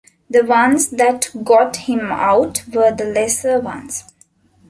The ones that got him out were the lesser ones.